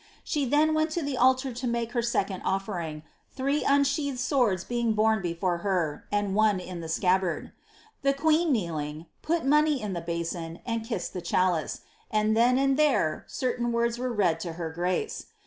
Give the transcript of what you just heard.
She then went to the altar to make her second offering, three unsheathed swords being borne before her, and one in the scabbard. The queen kneeling, put money in the basin, and kissed tlie chalice ; and then and there, certain words were read to her grace.